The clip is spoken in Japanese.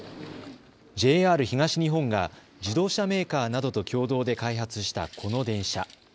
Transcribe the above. ＪＲ東日本が自動車メーカーなどと共同で開発したこの電車。